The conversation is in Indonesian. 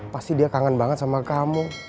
pasti dia kangen banget sama kamu